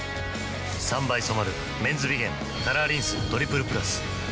３倍染まる「メンズビゲンカラーリンストリプルプラス」